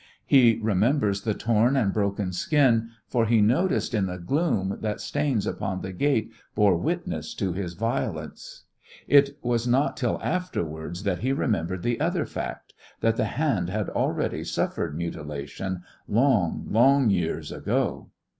He remembers the torn and broken skin, for he noticed in the gloom that stains upon the gate bore witness to his violence; it was not till afterwards that he remembered the other fact that the hand had already suffered mutilation, long, long years ago.